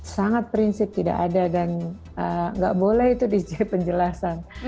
sangat prinsip tidak ada dan nggak boleh itu dijelaskan